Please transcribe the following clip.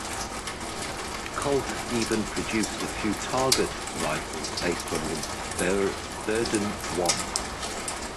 Colt even produced a few target rifles based on the Berdan I.